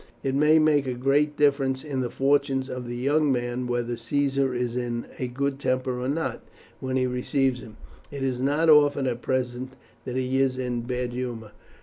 It may make a great difference in the fortunes of the young man whether Caesar is in a good temper or not when he receives him. It is not often at present that he is in bad humour.